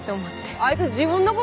あいつ自分の事